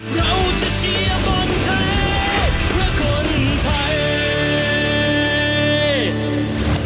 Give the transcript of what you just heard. เราจะเชียร์บนไทย